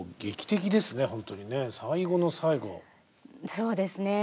そうですね